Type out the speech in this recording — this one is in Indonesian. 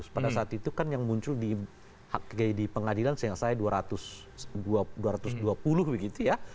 pada saat itu kan yang muncul di pengadilan seingat saya dua ratus dua puluh begitu ya